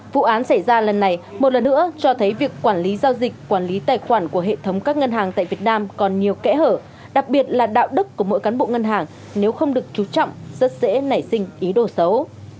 vụ án xảy ra lần này một lần nữa cho thấy việc quản lý giao dịch quản lý tài khoản của hệ thống các ngân hàng tại việt nam còn nhiều kẽ hở đặc biệt là đạo đức của mỗi cán bộ ngân hàng nếu không được chú trọng rất dễ nảy sinh ý đồ xấu